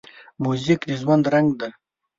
موزیک د ژوند رنګ دی.